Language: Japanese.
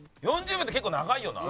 ４０秒って結構長いよな。